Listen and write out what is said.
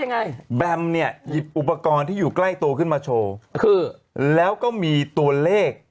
ยังไงแบมเนี่ยหยิบอุปกรณ์ที่อยู่ใกล้ตัวขึ้นมาโชว์คือแล้วก็มีตัวเลข